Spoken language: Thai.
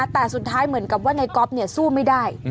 แต่สุดท้ายเหมือนกับว่าในก๊อฟสู้ไม่ได้